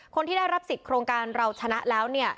คนที่ได้รับสิทธิ์โครงการเราชนะแล้วเนี่ย